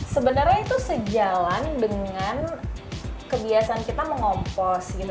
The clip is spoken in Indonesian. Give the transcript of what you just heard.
sebenarnya itu sejalan dengan kebiasaan kita mengompos gitu